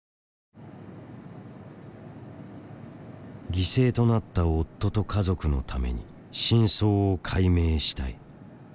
犠牲となった夫と家族のために真相を解明したい。